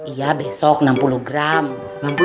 iya besok enam puluh gram